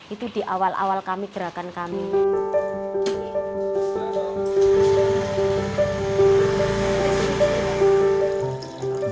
itu di awal awal kami gerakan kami